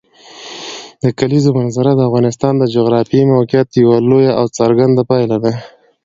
د کلیزو منظره د افغانستان د جغرافیایي موقیعت یوه لویه او څرګنده پایله ده.